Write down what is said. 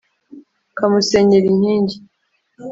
kamusenyera inkingi